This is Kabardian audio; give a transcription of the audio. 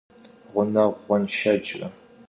Ğuneğure ğuenşşecre.